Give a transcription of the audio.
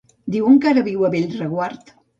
Diuen que ara viu a Bellreguard.